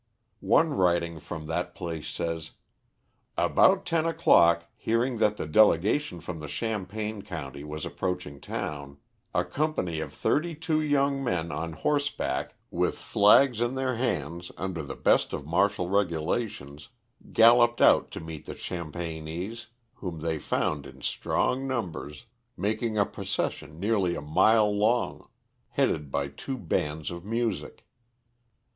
One writing from that place says: "About 10 o'clock, hearing that the delegation from Champaign County was approaching town, a company of thirty two young men on horse back, with flags in their hands, under the best of martial regulations, galloped out to meet the Champaignese, whom they found in strong numbers making a procession nearly a mile long, headed by two bands of music."